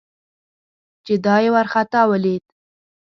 چې دای یې ورخطا ولید.